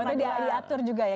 itu diatur juga ya